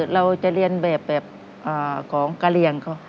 เราจะเรียนแบบของกะเรียงเขา